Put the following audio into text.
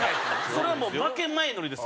それはもう負け前乗りです